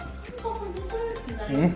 supportif ya gitu jadi gak